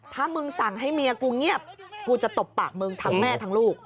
ถ้ามึงสั่งให้เมียกูเงียบกูจะตบปากมึงทั้งแม่ทั้งลูก